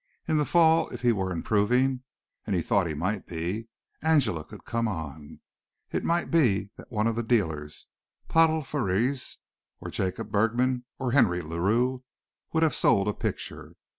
In the fall if he were improving, and he thought he might be, Angela could come on. It might be that one of the dealers, Pottle Frères or Jacob Bergman or Henry LaRue would have sold a picture.